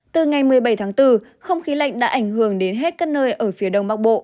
từ ngày một mươi bảy tháng bốn không khí lạnh đã ảnh hưởng đến hết các nơi ở phía đông bắc bộ